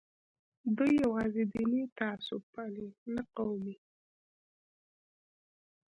دوی یوازې دیني تعصب پالي نه قومي.